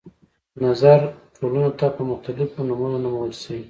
نظر د ټولنو ته په مختلفو نمونو نومول شوي.